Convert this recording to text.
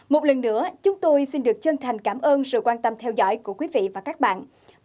một lần nữa chúng tôi xin được chân thành cảm ơn sự quan tâm theo dõi của quý vị và các bạn